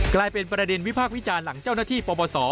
กลายเป็นประเด็นวิพากษ์วิจารณ์หลังเจ้าหน้าที่ปปศ